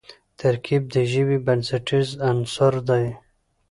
ترکیب د ژبي بنسټیز عنصر دئ.